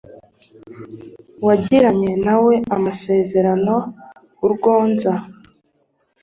wagiranye nawe amasezerano uryozwa